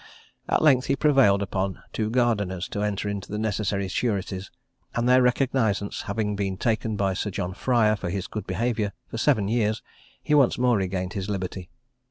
At length he prevailed upon two gardeners to enter into the necessary sureties; and their recognisance having been taken by Sir John Fryer, for his good behaviour, for seven years, he once more regained his liberty.